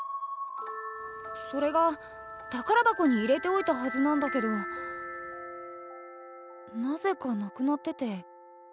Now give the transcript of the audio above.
それが宝箱に入れておいたはずなんだけどなぜかなくなってて。